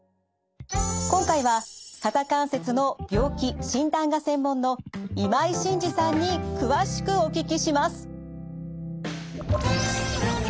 今回は肩関節の病気・診断が専門の今井晋二さんに詳しくお聞きします。